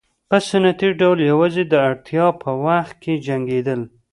په سنتي ډول یوازې د اړتیا په وخت کې جنګېدل.